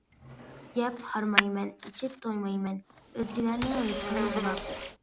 يەپ ھارمايمەن، ئىچىپ تويمايمەن، ئۆزگىلەرنىڭ رىزقىنى بۇلاپ.